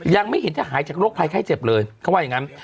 ยังไม่เห็นจะหายจากโรคภัยไข้เจ็บเลยเขาว่าอย่างนั้น